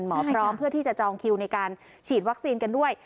หมอพร้อมเพื่อที่จะจองคิวในการฉีดวัคซีนกันด้วย